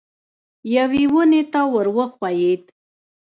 یوې ونې ته ور وښوېد.